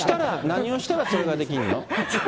何をしたら、それができるの？